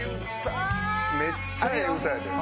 めっちゃええ歌やで。